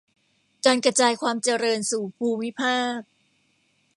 การกระจายความเจริญสู่ภูมิภาค